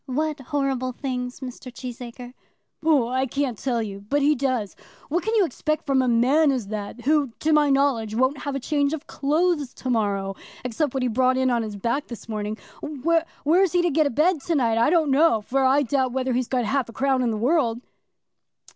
"What horrible things, Mr. Cheesacre?" "Oh, I can't tell you; but he does. What can you expect from such a man as that, who, to my knowledge, won't have a change of clothes to morrow, except what he brought in on his back this morning. Where he's to get a bed to night, I don't know, for I doubt whether he's got half a crown in the world."